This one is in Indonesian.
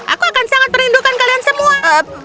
aku akan sangat merindukan kalian semua